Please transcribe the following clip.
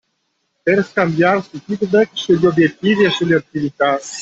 Per scambiarsi feedback sugli obiettivi e sulle attività.